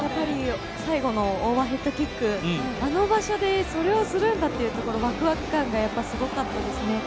最後のオーバーヘッドキック、あの場所で、それをするんだというワクワク感がやっぱりすごかったですね。